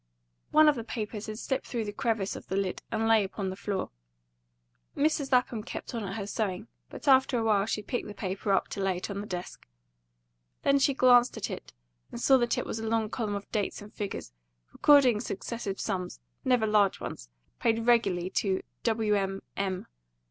One of the papers had slipped through the crevice of the lid, and lay upon the floor. Mrs. Lapham kept on at her sewing, but after a while she picked the paper up to lay it on the desk. Then she glanced at it, and saw that it was a long column of dates and figures, recording successive sums, never large ones, paid regularly to "Wm. M."